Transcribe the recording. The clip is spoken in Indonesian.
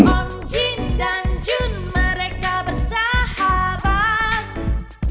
om jin dan jun mereka selalu bersama